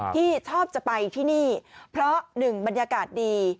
ที่ชอบจะไปที่นี่เพราะหนึ่งบรรยากาศดี